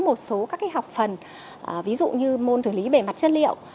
một số các học phần ví dụ như môn thử lý bề mặt chất liệu